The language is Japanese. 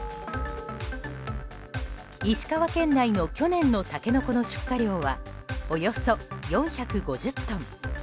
石川県内の去年のタケノコの出荷量はおよそ４５０トン。